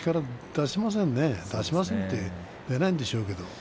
出しませんねって出ないんでしょうけど。